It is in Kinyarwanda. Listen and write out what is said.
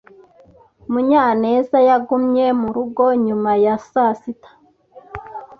Munyanezyagumye murugo nyuma ya saa sita.